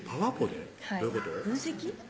どういうこと？分析？